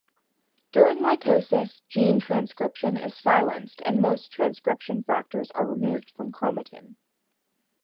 During mitosis, gene transcription is silenced and most transcription factors are removed from chromatin.